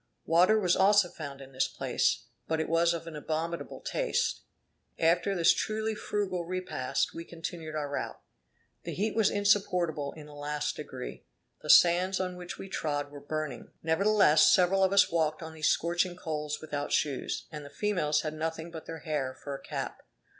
Water was also found in this place, but it was of an abominable taste. After this truly frugal repast, we continued our route. The heat was insupportable in the last degree. The sands on which we trod were burning, nevertheless several of us walked on these scorching coals without shoes; and the females had nothing but their hair for a cap.